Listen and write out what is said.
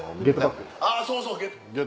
あぁそうそう。